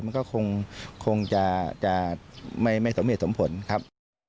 มันก็คงจะไม่สมเหตุสมผลครับ